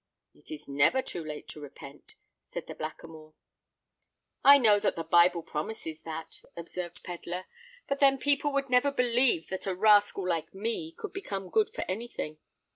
"It is never too late to repent," said the Blackamoor. "I know that the Bible promises that," observed Pedler; "but then people would never believe that a rascal like me could become good for any thing.